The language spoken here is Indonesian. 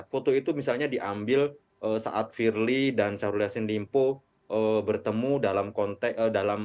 foto itu misalnya diambil saat firly dan sarulya sinlimpo bertemu dalam konteks